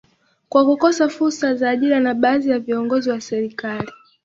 kwa kukosa fursa za ajira na baadhi ya viongozi wa serikali